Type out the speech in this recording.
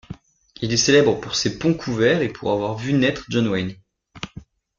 Il est célèbre pour ses ponts couverts et pour avoir vu naître John Wayne.